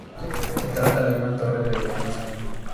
Se trata de una torre de defensa.